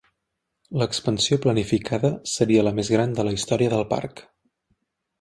L'expansió planificada seria la més gran de la història del parc.